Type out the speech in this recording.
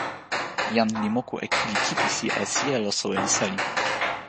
jan li moku e kili kipisi e sijelo soweli seli.